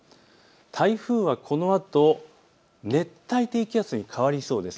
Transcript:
台風はこのあと、熱帯低気圧に変わりそうです。